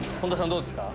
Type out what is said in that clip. どうですか？